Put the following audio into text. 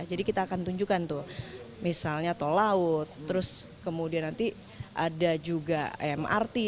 jadi kita akan tunjukkan tuh misalnya tol laut terus kemudian nanti ada juga mrt